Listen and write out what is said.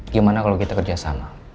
gimana kalau kita kerjasama